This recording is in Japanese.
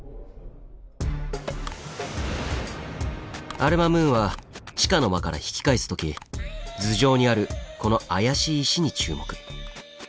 アル・マムーンは「地下の間」から引き返す時頭上にあるこの怪しい石に注目。